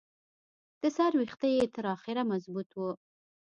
د سر ویښته یې تر اخره مضبوط وو.